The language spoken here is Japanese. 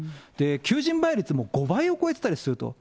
求人倍率も５倍を超えていたりすると。